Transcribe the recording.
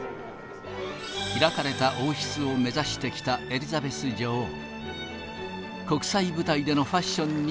開かれた王室を目指してきたエリザベス女王。